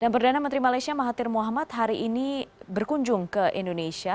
dan perdana menteri malaysia mahathir mohamad hari ini berkunjung ke indonesia